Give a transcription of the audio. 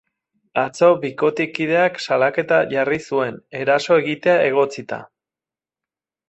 Atzo, bikotekideak salaketa jarri zuen, eraso egitea egotzita.